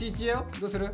どうする？